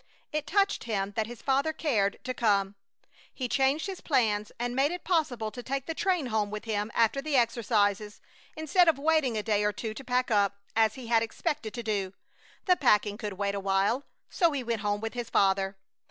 It touched him that his father cared to come. He changed his plans and made it possible to take the train home with him after the exercises, instead of waiting a day or two to pack up, as he had expected to do. The packing could wait awhile. So he went home with his father.